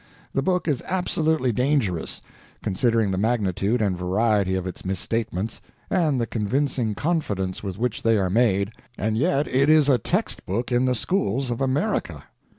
The book is absolutely dangerous, considering the magnitude and variety of its misstatements, and the convincing confidence with which they are made. And yet it is a text book in the schools of America.